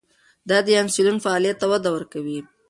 دا د انسولین فعالیت ته وده ورکوي.